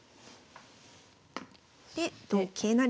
で同桂成。